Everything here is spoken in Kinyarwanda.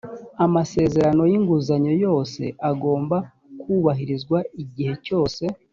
amasezerano y’inguzanyo yose agomba kubahirizwa igihe cyose